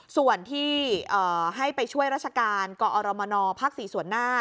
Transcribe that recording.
ส่วนที่ให้ไปช่วยราชการกอรมนภ๔ส่วนหน้า